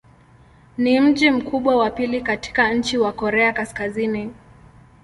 Ni mji mkubwa wa pili katika nchi wa Korea Kaskazini.